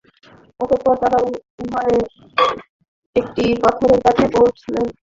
অতঃপর তারা উভয়ে একটি পাথরের কাছে পৌঁছলেন এবং দুজনেই পাথরের নিকট অবতরণ করলেন।